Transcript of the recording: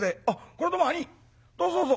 「これはどうも兄ぃどうぞどうぞ」。